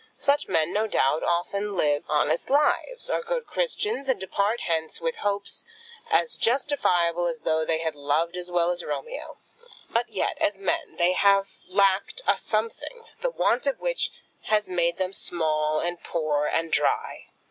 Such men, no doubt, often live honest lives, are good Christians, and depart hence with hopes as justifiable as though they had loved as well as Romeo. But yet, as men, they have lacked a something, the want of which has made them small and poor and dry.